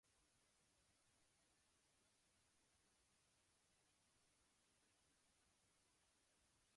Com ho faig per anar al carrer de l'Allada-Vermell número setanta-dos?